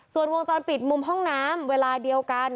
ส่วนวงจรปิดมุมห้องน้ำเวลาเดียวกัน